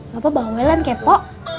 bapak bawelan kepo